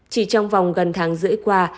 chỉ trong vòng gần tháng rưỡi qua